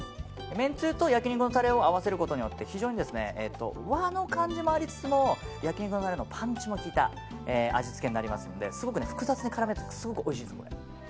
めんつゆと焼き肉のタレを合わせることによって非常に和の感じもありつつも焼き肉のタレのパンチの効いた味付けになりますので複雑に絡み合っておいしいですよ。